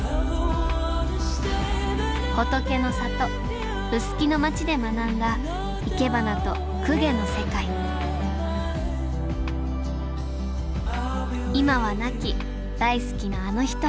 仏の里臼杵の町で学んだいけばなと供華の世界今は亡き大好きなあの人へ。